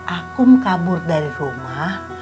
aku kabur dari rumah